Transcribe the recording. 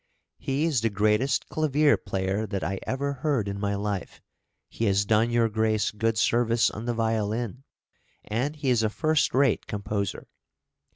"He is the greatest clavier player that I ever heard in my life; he has done your grace good service on the violin, and he is a first rate composer."